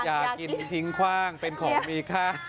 อย่ากินทิ้งคว่างเป็นของมีค่า